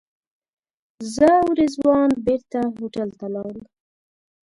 زه او رضوان بېرته هوټل ته لاړو.